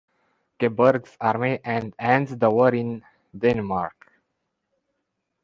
Gebirgs-Armee and ends the war in Denmark.